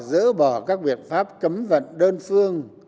dỡ bỏ các biện pháp cấm vận đơn phương